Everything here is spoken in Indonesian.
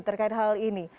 terkait hal ini